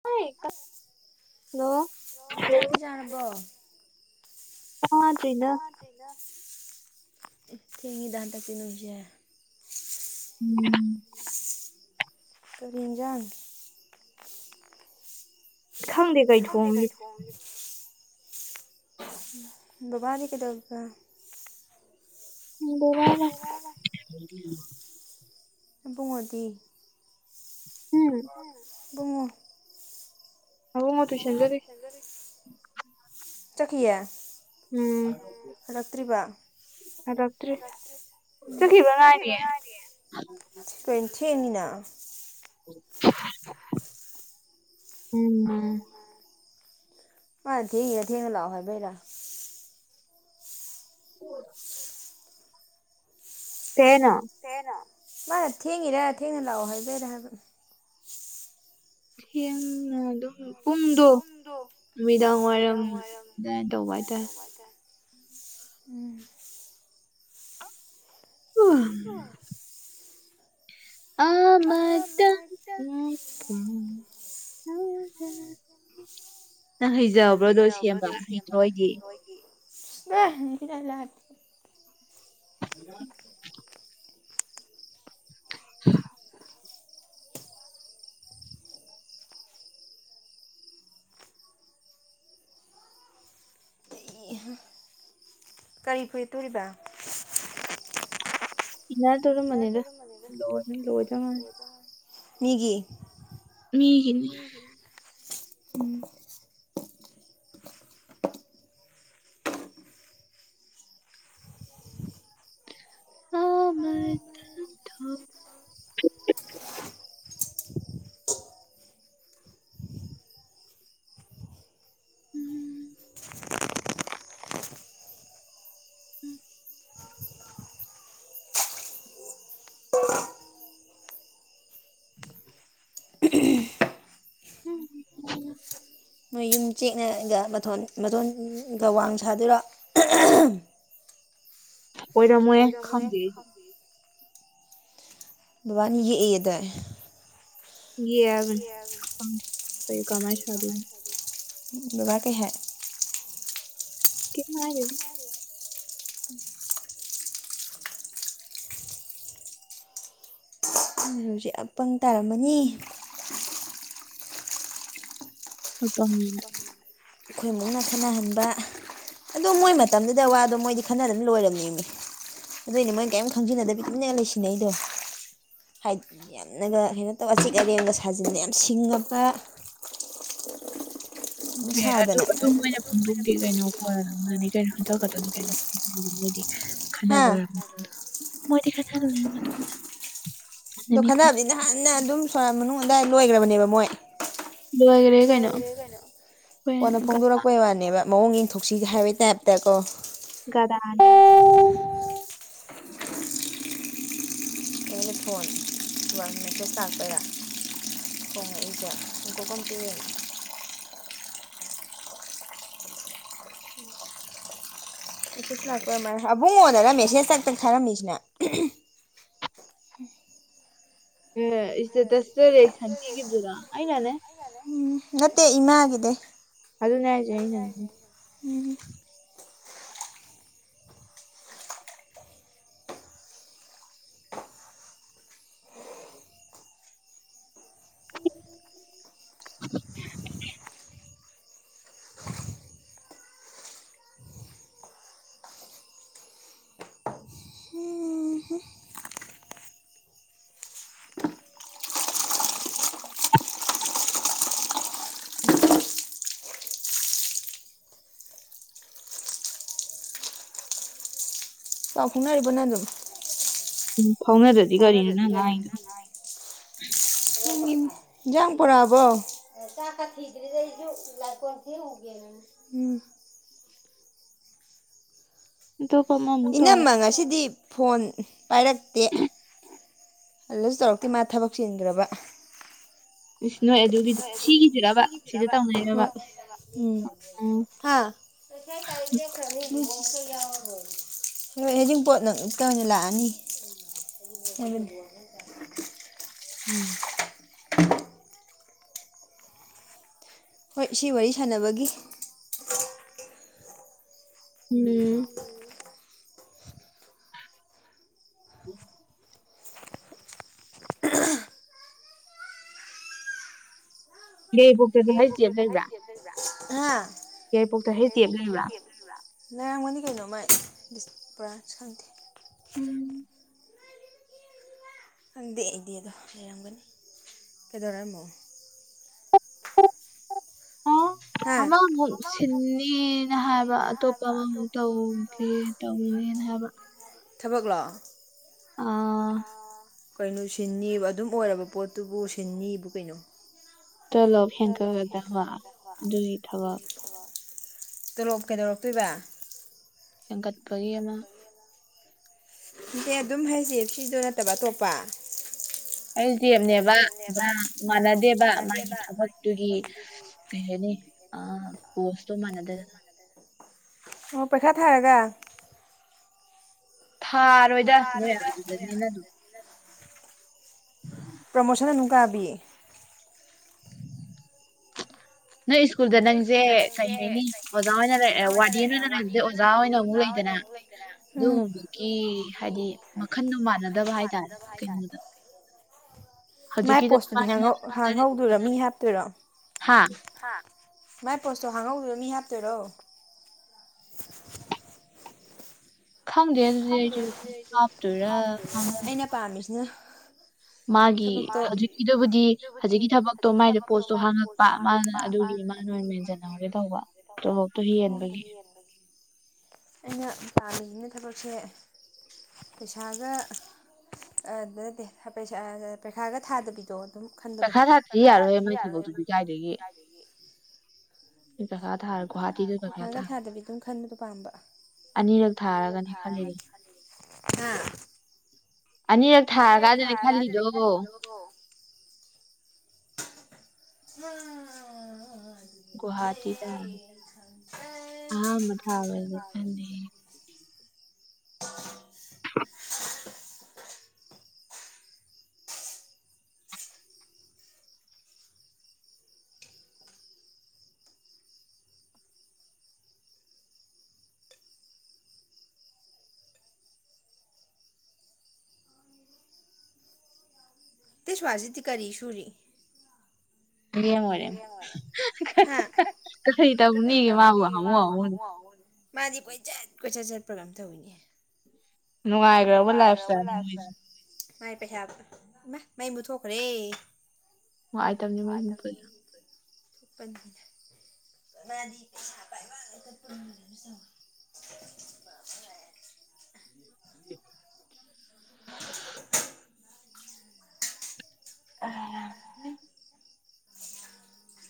Hello ꯆꯥꯛ hello ꯆꯥꯔꯕꯣ ꯆꯥꯗꯔꯤꯗ ꯊꯦꯡꯉꯤꯗꯥ ꯍꯟꯗꯛꯇꯤ ꯅꯁꯦ ꯎꯝ ꯀꯔꯤ ꯍꯤꯟꯖꯥꯡ ꯈꯪꯗꯦ ꯀꯩ ꯊꯣꯡꯅꯤ ꯕꯕꯥꯗꯤ ꯀꯩꯗꯧꯕ ꯕꯕꯥꯔꯣ ꯏꯕꯨꯡꯉꯣꯗꯤ ꯎꯝ ꯕꯨꯡꯉꯣ ꯑꯕꯨꯉꯣ ꯇꯨꯏꯁꯟ ꯆꯠꯂꯤ ꯆꯠꯈꯤꯌꯦ ꯎꯝ ꯍꯟꯂꯛꯇꯔꯤ ꯆꯠꯈꯤꯕ ꯉꯥꯏꯔꯤꯌꯦ ꯀꯩ ꯊꯦꯡꯉꯤꯅ ꯎꯝ ꯃꯥꯅ ꯊꯦꯡꯉꯤꯔꯥ ꯊꯦꯡꯅ ꯂꯥꯛꯑꯣ ꯍꯥꯏꯕꯩꯔꯥ ꯑꯣ [inaudible] ꯀꯩ ꯍꯥꯏꯅꯣ ꯀꯩ ꯍꯥꯏꯅꯣ ꯃꯥ ꯊꯦꯡꯉꯤꯔ ꯊꯦꯡꯅ ꯂꯥꯛꯑꯣ ꯍꯥꯏꯕꯩꯔ ꯍꯥꯏꯕ ꯊꯦꯡꯅ ꯑꯗꯨꯝ ꯄꯨꯡꯗꯣ ꯅꯨꯃꯤꯗꯥꯡ ꯋꯥꯏꯔꯝ ꯑꯗꯨꯃꯥꯏꯅ ꯇꯧꯕ ꯍꯥꯏꯇꯥꯔꯦ ꯎꯝ ꯑ [unintelligible] ꯑ ꯃꯗ ꯎꯄ [unintelligible] ꯅꯪ ꯍꯩꯖꯕ꯭ꯔꯣꯗꯣ ꯁꯦꯝꯕ ꯍꯩꯇ꯭ꯔꯣ ꯑꯩꯗꯤ ꯗꯥ ꯏꯔꯥꯏ ꯂꯥꯏꯕꯗꯨꯕꯨ ꯑꯣꯝ [unintelligible] [inaudible] ꯍꯩꯍꯥ ꯀꯔꯤ ꯐꯨꯔꯤꯠ ꯇꯨꯔꯤꯕ ꯏꯅꯥꯔ ꯇꯨꯔꯝꯕꯅꯤꯗ ꯂꯣꯏꯅꯤ ꯂꯣꯏꯗꯝꯃꯅꯤ ꯃꯤꯒꯤ ꯑ ꯃꯥꯏ ꯊ ꯊ [unintelligible] ꯎꯝ ꯎꯝ ꯎꯝ [unintelligible] ꯃꯣꯏ ꯌꯨꯝ ꯆꯦꯛꯅꯒ ꯃꯊꯣꯟ ꯃꯊꯣꯟꯒ ꯋꯥꯡ ꯁꯥꯗꯣꯏꯔꯣ ꯑꯣꯏꯔꯝ ꯃꯣꯏꯍꯦ ꯈꯪꯗꯦ ꯑꯩꯗꯤ ꯕꯥꯕꯥꯅ ꯌꯦꯛꯑꯗꯥꯏ ꯌꯦꯛꯑꯕꯥꯅꯤ ꯈꯪꯗꯦ ꯀꯩ ꯀꯃꯥꯏꯅ ꯁꯗꯣꯏꯅꯣ ꯕꯥꯕꯥ ꯀꯩ ꯍꯥꯏ ꯀꯩꯝ ꯍꯥꯏꯗꯦꯗ ꯍꯧꯖꯤꯛ ꯑꯄꯪ ꯇꯥꯔꯝꯃꯅꯤ ꯑꯄꯥꯡ ꯅꯤꯅ ꯑꯩꯈꯣꯏ ꯃꯨꯛꯅ ꯈꯦꯠꯅꯍꯟꯕ ꯑꯗꯣ ꯃꯣꯏ ꯃꯇꯝꯗꯨꯗ ꯋꯥꯗꯣ ꯃꯣꯏꯗꯤ ꯈꯟꯅꯗꯅ ꯂꯣꯏꯔꯝꯃꯤꯃꯤ ꯑꯗꯨꯏꯅꯦ ꯃꯣꯏꯅ ꯀꯦꯝ ꯈꯪꯖꯤꯟꯅꯗꯕꯤ ꯇꯨꯃꯤꯟꯅ ꯂꯩꯁꯤꯟꯅꯩꯗꯣ ꯍꯥꯏꯗꯤ ꯌꯥꯝꯅꯒ ꯀꯩꯅꯣ ꯇꯧ ꯑꯆꯤꯛ ꯑꯔꯦꯝꯒ ꯁꯥꯖꯤꯟꯅ ꯌꯥꯝ ꯁꯤꯡꯉꯕ ꯑꯦ ꯑꯗꯨ ꯑꯗꯨ ꯃꯣꯏꯅ ꯅꯨꯡꯗꯤ ꯀꯩꯅꯣ ꯀꯅꯤ ꯀꯩꯅꯣ ꯍꯟꯒꯗꯧꯅꯤ ꯀꯩꯅꯣꯗꯤ [unintelligible] [unintelligible] ꯈꯟꯅ ꯂꯣꯏꯔ ꯃꯇꯨꯡꯗ ꯃꯣꯏꯗꯤ ꯈꯟꯅ ꯂꯣꯏꯔ ꯃꯇꯨꯡꯅ ꯑꯗꯣ ꯈꯟꯅꯕꯗꯤ ꯅꯍꯥꯟꯅ ꯑꯗꯨꯝ ꯁꯣꯔꯥꯠ ꯃꯅꯨꯡ ꯑꯗꯨꯋꯥꯏ ꯂꯣꯏꯈ꯭ꯔꯕꯅꯦꯕ ꯃꯣꯏ ꯂꯣꯏꯒꯔꯦ ꯀꯩꯅꯣ ꯀꯣꯟꯅ ꯐꯣꯡꯗꯣꯔꯛꯄꯩ ꯋꯥꯅꯦꯕ ꯃꯑꯣꯡ ꯌꯦꯡꯊꯣꯛꯁꯤꯒ ꯍꯥꯏꯕꯩ ꯇꯥꯏꯞꯇ ꯀꯣ ꯒꯙꯥꯅꯦ ꯐꯣꯟ ꯃꯦꯁꯦꯖ ꯂꯥꯛꯄꯨꯔꯥ ꯈꯣꯡꯉꯛꯏꯖꯦ ꯉꯥꯏꯈꯣꯀꯣ ꯑꯝꯇ ꯌꯦꯡꯒꯦ ꯃꯦꯁꯦꯖ ꯂꯥꯛꯄꯩ ꯑꯣꯏꯃꯥꯜꯂꯦ ꯑꯕꯨꯡꯉꯣꯅꯔ ꯃꯦꯁꯦꯖ ꯑꯝꯇꯪ ꯊꯥꯔꯝꯃꯤꯁꯤꯅ ꯑꯦ ꯏꯁꯇꯦꯇꯁꯇ ꯔꯦꯛꯁꯟ ꯄꯤꯈꯤꯕꯗꯨꯔꯥ ꯑꯩꯅꯅꯦ ꯅꯠꯇꯦ ꯏꯃꯥꯒꯤꯗꯩ ꯑꯗꯨ ꯍꯥꯏꯖꯦ ꯑꯩꯅꯅꯦ ꯎꯝ [inaudible] [unintelligible] ꯄꯥꯎ ꯐꯥꯎꯅꯔꯤꯕꯣ ꯅꯪ ꯑꯗꯨꯝ ꯎꯝ ꯐꯥꯎꯅꯗ꯭ꯔꯗꯤ ꯀꯔꯤꯅꯣ ꯅꯪ ꯉꯥꯡꯉꯤꯗꯣ ꯍꯤꯟꯖꯥꯡ ꯄꯨꯔꯛꯑꯕꯣ ꯆꯥꯛꯀ ꯊꯤꯗꯔꯤꯗ ꯑꯩꯖꯨ ꯂꯥꯏ ꯀꯣꯟ ꯐꯦꯡꯎꯒꯦ ꯎꯝ ꯏꯅꯝꯃ ꯉꯁꯤꯗꯤ ꯐꯣꯟ ꯄꯥꯏꯔꯛꯇꯦ ꯍꯜꯂꯁꯨ ꯇꯧꯔꯛꯇꯦ ꯃꯥ ꯊꯕꯛ ꯆꯤꯟꯈ꯭ꯔꯕ ꯏꯁ ꯅꯣꯏ ꯑꯗꯨꯒꯤꯗꯨ ꯁꯤꯒꯤꯖꯤꯔꯕ ꯍ ꯎꯝ ꯍꯥꯥ [unintelligible] [unintelligible] ꯍꯣꯏ ꯁꯤ ꯋꯥꯔꯤ ꯁꯥꯟꯅꯕꯒꯤ ꯎꯝ [unintelligible] ꯑꯦ ꯕ꯭ꯂꯣꯛꯇꯖꯨ ꯍꯩꯁ ꯗꯤ ꯑꯦꯞ ꯂꯩꯕ꯭ꯔ ꯍꯥꯥ ꯑꯦ ꯕ꯭ꯂꯣꯛꯇ ꯍꯩꯁ ꯗꯤ ꯑꯦꯞ ꯂꯩꯕ꯭ꯔ ꯂꯩꯔꯝꯒꯅꯤ [unintelligible] ꯎꯝ ꯈꯪꯗꯦ ꯑꯩꯗꯤ ꯑꯗꯣ ꯂꯩꯔꯝꯒꯅꯤ ꯀꯩꯗꯧꯔꯦ ꯑꯃꯨꯛ [unintelligible] [unintelligible] ꯊꯕꯛꯂꯣ ꯑꯥ ꯀꯩꯅꯣ ꯁꯤꯟꯅꯤꯕꯨ ꯑꯗꯨꯝ ꯑꯣꯏꯔꯕ ꯄꯣꯠꯇꯨꯕꯨ ꯁꯤꯟꯅꯤꯕꯨ ꯀꯩꯅꯣ ꯇꯂꯞ ꯇꯣꯂꯣꯞ ꯀꯩꯗꯧꯔꯛꯇꯣꯏꯕ ꯍꯦꯟꯒꯠꯄꯒꯤ ꯑꯃ ꯅꯠꯇꯦ ꯑꯗꯨꯝ ꯍꯩꯁ ꯗꯤ ꯑꯦꯞ ꯁꯤꯗꯣ ꯅꯠꯇꯕ ꯑꯇꯣꯞꯄ ꯍꯩꯁ ꯗꯤ ꯑꯦꯞꯅꯦꯕ ꯑꯗꯨ ꯃꯥꯟꯅꯗꯦꯕ ꯃꯥꯒꯤ ꯊꯕꯛꯇꯨꯒꯤ ꯀꯩ ꯍꯥꯏꯅꯤ ꯑ ꯄꯣꯁꯇꯣ ꯃꯥꯟꯅꯗꯗꯅ ꯑꯣ ꯄꯩꯈꯥ ꯊꯥꯔꯒ ꯊꯥꯔꯣꯏꯗ ꯃꯣꯏ ꯑꯗꯨꯗꯅꯤꯅ ꯑꯗꯨꯝ ꯎꯝ ꯄ꯭ꯔꯣꯃꯣꯁꯟ ꯑꯗꯨꯝ ꯀꯥꯕꯤ ꯅꯣꯏ ꯁ꯭ꯀꯨꯜꯗ ꯅꯪꯁꯦ ꯀꯩ ꯍꯥꯏꯅꯤ ꯑꯣꯖꯥ ꯑꯣꯏꯅ ꯂꯩ ꯋꯥꯔꯗꯦꯟ ꯑꯣꯏꯅ ꯂꯩꯔꯝꯕꯗꯒꯤ ꯑꯣꯖꯥ ꯑꯣꯏꯅ ꯑꯃꯨꯛ ꯂꯩꯗꯅ ꯑꯗꯨꯒꯨꯝꯕꯒꯤ ꯍꯥꯏꯗꯤ ꯃꯈꯟꯗꯣ ꯃꯥꯟꯅꯗꯕ ꯍꯥꯏꯇꯥꯔꯦ ꯀꯩꯅꯣꯗ ꯍꯧꯖꯤꯛꯀꯤꯗ‌‌ꯣ [inaudible] ꯍꯥ ꯍꯥ ꯃꯥꯏ ꯄꯣꯁꯇꯣ ꯍꯥꯡꯍꯧꯋꯤ ꯃꯤ ꯍꯥꯞꯇꯣꯏꯔꯣ ꯈꯪꯗꯦ ꯑꯗꯨꯗꯤ ꯑꯩꯖꯨ ꯍꯥꯞꯇꯣꯏꯔꯥ ꯈꯥꯡꯍꯧ [inaudible] ꯃꯥꯒꯤ ꯍꯧꯖꯤꯛꯀꯤꯗꯨꯕꯨꯗꯤ ꯍꯧꯖꯤꯛꯀꯤ ꯊꯕꯛꯇꯣ ꯃꯥꯏꯗ‌ꯣ ꯄꯣꯁꯇꯣ ꯍꯥꯡꯉꯛ ꯄ ꯃꯥꯅ ꯑꯗꯨꯒꯤ ꯃꯥꯅ ꯑꯣꯏꯅ ꯃꯦꯟꯖꯟꯍꯧꯒꯦ ꯇꯧꯕ ꯇꯣꯂꯣꯞꯇꯨ ꯍꯦꯟꯕꯒꯤ ꯑꯩꯅ ꯇꯥꯜꯂꯤꯁꯤꯅ ꯊꯕꯛꯁꯦ ꯄꯩꯁꯥꯒ ꯑꯗ ꯅꯠꯇꯦ ꯍꯥꯐ‌ꯦꯠ ꯄꯩꯈꯥꯒ ꯊꯥꯗꯕꯤꯗꯣ ꯄꯩꯈꯥ ꯊꯥꯗ꯭ꯔꯗꯤ ꯌꯥꯔꯣꯏꯍ‌ꯦ ꯅ‌ꯣꯏ ꯊꯕꯛꯇꯨꯗꯤ ꯀꯥꯏꯗꯒꯤ ꯃꯤ ꯄꯩꯈꯥ ꯊꯥꯔ ꯒꯨꯋꯥꯍꯥꯇꯤꯗ ꯄꯩꯈꯥ ꯊꯥꯔ [unintelligible] ꯑꯅꯤꯔꯛ ꯊꯥꯔꯒꯅ‌ꯦ ꯈꯜꯂꯤꯅ‌ꯦ [unintelligible] ꯍꯥ ꯑꯅꯤꯔꯛ ꯊꯥꯔ ꯀꯥꯟꯗꯅꯦ ꯈꯜꯂꯤꯗꯣ [unintelligible] ꯗ‌ꯣ [unintelligible] ꯒꯨꯋꯥꯍꯥꯇꯤꯗ ꯑꯍꯥꯟꯕ ꯊꯥꯕꯩꯗ ꯈꯟꯈꯤ [inaudible] [unintelligible] [unintelligible] ꯗꯤꯁꯋꯥꯁ ꯁꯤꯗꯤ ꯀꯔꯤ ꯁꯨꯔꯤ ꯃꯤꯔ‌ꯦꯝ ꯑꯣꯏꯔ‌ꯦ [unintelligible] ꯀꯔꯤ ꯇꯧꯅꯤꯒꯦ ꯃꯥꯕꯨ ꯍꯃꯨ ꯍꯃꯨꯅꯦ ꯃꯥꯗꯤ ꯀꯣꯏꯆꯠ ꯀꯣꯏꯆꯠ ꯆꯠꯄ꯭ꯔ ꯀꯩ‌ꯝ ꯇꯧꯋꯤꯅꯦ ꯅꯨꯡꯉꯥꯏꯈ꯭ꯔꯕ ꯂꯥꯏꯐ ꯏꯁꯇꯥꯏꯜꯅꯤ ꯃꯣꯏꯖ‌ꯦ ꯃꯥꯏ ꯄꯩꯁꯥ ꯏꯃꯥ ꯃꯩ ꯃꯨꯊꯣꯛꯈ꯭ꯔꯦ ꯅꯨꯡꯉꯥꯏꯇꯝ [unintelligible] [unintelligible] [unintelligible] ꯑꯥ [unintelligible] [unintelligible]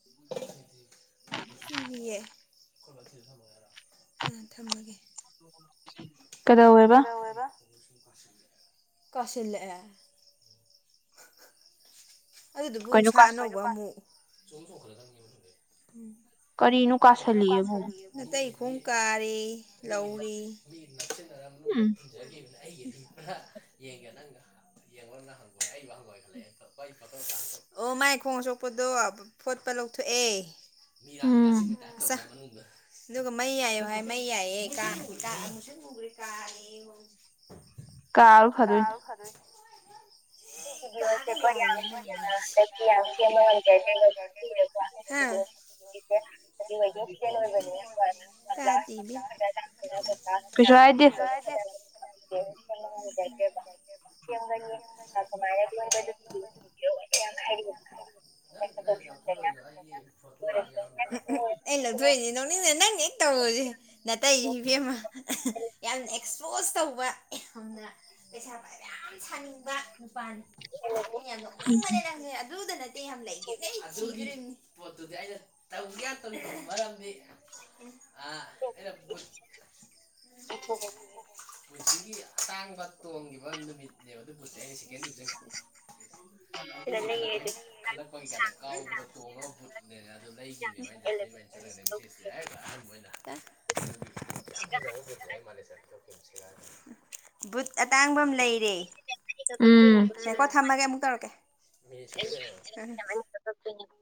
[unintelligible] [unintelligible] ꯌꯦ [inaudible] ꯑꯥ ꯊꯝꯃꯒꯦ [unintelligible] ꯀꯗꯧꯋ‌ꯦꯕ ꯀꯥꯁꯤꯜꯂꯛꯑꯦ ꯑꯗꯨꯗꯨꯕꯨ ꯎꯟꯁꯥ ꯑꯅꯧꯕ ꯑꯃꯨꯛ [unintelligible] ꯀꯔꯤꯅꯣ ꯀꯥꯁꯤꯜꯂ‌ꯦꯕꯨ ꯅꯇꯩ ꯈꯣꯡ ꯀꯥꯔ‌ꯦꯌ‌ꯦ ꯂꯧꯔꯦ [unintelligible] ꯌꯦꯡꯒꯦ ꯅꯪꯒ [unintelligible] ꯑꯣ ꯃꯥꯏ ꯈꯣꯡ ꯑꯁꯣꯛꯄꯗꯣ ꯐ ꯐꯣꯠꯄ ꯂꯧꯊꯣꯛꯑꯦ [unintelligible] ꯑꯆꯥ ꯑꯗꯨꯒ ꯃꯩ ꯌꯥꯏꯌ‌ꯣ ꯍꯥꯏ ꯃꯩ ꯌꯥꯏꯌꯦ ꯀ ꯀꯥ ꯃꯨꯁꯤꯟ ꯃꯨꯒ꯭ꯔ‌ꯦ [unintelligible] ꯀꯥꯕ ꯐꯗ‌ꯣꯏꯟ [unintelligible] ꯍꯥ [unintelligible] [unintelligible] ꯀꯩꯁꯨ ꯍꯥꯏꯗꯦ [unintelligible] [unintelligible] [inaudible] ꯀꯃꯥꯏꯟ ꯑꯗꯨ [unintelligible] [inaudible] [unintelligible] ꯑꯩꯅ ꯂꯧꯊꯣꯛꯏꯅꯦ ꯅꯣꯛꯅꯤꯡꯗ꯭ꯔꯥ ꯅꯪꯅ ꯍꯦꯛ ꯇꯧꯕꯁꯦ ꯅꯇꯩ ꯏꯕꯦꯝꯃ ꯌꯥꯝꯅ ꯑꯦꯛꯁꯄꯣꯖ ꯇꯧꯕ ꯌꯥꯝꯅ ꯄꯩꯁꯥ ꯄꯥꯏꯕ ꯌꯥꯝ ꯁꯥꯅꯤꯡꯕ ꯅꯨꯄꯥꯅꯤ ꯑꯩꯅ ꯌꯥꯝ ꯅꯣꯛꯅꯤꯡꯕꯅꯦ ꯅꯪꯁꯦ ꯑꯗꯨꯗ ꯅꯠꯇꯦ ꯌꯥꯝ ꯂꯩꯒꯤꯕꯅꯤ ꯑꯗꯨꯒꯤ ꯄꯣꯠꯇꯨꯗꯤ ꯑꯩꯅ ꯇꯧ ꯌꯥ ꯇꯝ ꯇꯧ ꯃꯔꯝꯗꯤ ꯑ ꯑꯩꯅ [inaudible] ꯄꯨꯟꯁꯤꯒꯤ ꯑꯇꯥꯡꯕ ꯇꯣꯡꯈꯤꯕ ꯅꯨꯃꯤꯠꯅꯦꯕ ꯑꯗꯨꯕꯨꯠꯁꯦ ꯑꯩꯅ ꯁꯤꯀꯦꯟ [inaudible] ꯆꯤꯡꯈꯠꯂꯛꯄꯩ ꯈꯜꯂꯛꯄꯒꯤ ꯀꯥꯏꯗ ꯀꯥꯎꯕ ꯇꯣꯡꯉ ꯕꯨꯠꯅꯦꯅ ꯑꯗꯨ ꯂꯩꯈꯤꯕꯅꯦꯕ꯫ [inaudible] [inaudible] [inaudible] ꯕꯨꯠ ꯑꯇꯥꯡꯕ ꯑꯃ ꯂꯩꯔꯦ꯫ ꯅꯦꯀꯣ ꯊꯝꯑꯒꯦ ꯑꯃꯨꯛ ꯇꯧꯔꯛꯀꯦ꯫ [inaudible] [inaudible]